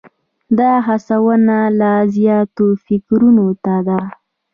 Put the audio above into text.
دا هڅونه لا زیاتو فکرونو ته ده.